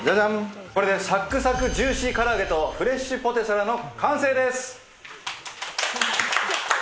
サクサクジューシーから揚げとフレッシュポテサラの完成です。